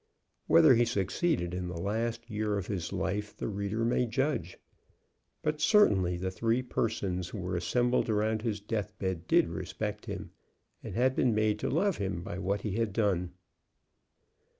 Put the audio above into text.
Whether he succeeded in the last year of his life the reader may judge. But certainly the three persons who were assembled around his death bed did respect him, and had been made to love him by what he had done.